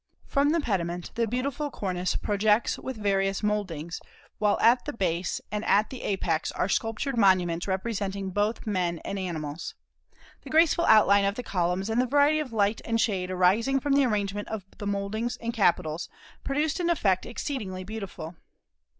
From the pediment the beautiful cornice projects with various mouldings, while at the base and at the apex are sculptured monuments representing both men and animals. The graceful outline of the columns, and the variety of light and shade arising from the arrangement of mouldings and capitals, produced an effect exceedingly beautiful.